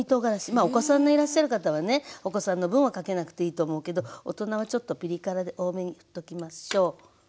まあお子さんのいらっしゃる方はねお子さんの分はかけなくていいと思うけど大人はちょっとピリ辛で多めにふっときましょう。